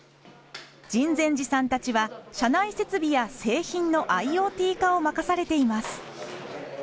秦泉寺さんたちは社内設備や製品のＩｏＴ化を任されています。